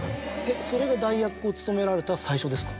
それが代役を務められた最初ですか？